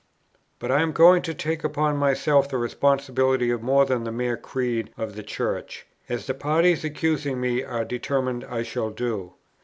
But I am going to take upon myself the responsibility of more than the mere Creed of the Church; as the parties accusing me are determined I shall do.